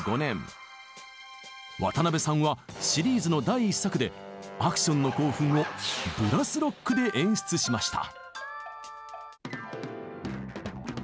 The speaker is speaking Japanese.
渡辺さんはシリーズの第１作でアクションの興奮をブラス・ロックで演出しました。